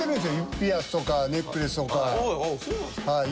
ピアスとかネックレスとか指輪とか。